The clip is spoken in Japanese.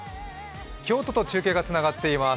京都と中継がつながっています。